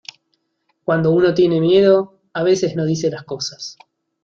cuando uno tiene miedo, a veces no dice las cosas